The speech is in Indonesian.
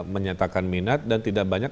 menyatakan minat dan tidak banyak